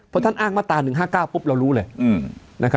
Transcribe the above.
พอท่านอ้างมาตรา๑๕๙ปุ๊บเรารู้เลย